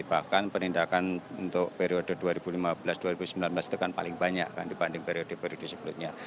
bahkan penindakan untuk periode dua ribu lima belas dua ribu sembilan belas itu kan paling banyak dibanding periode periode sebelumnya